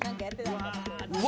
うわ！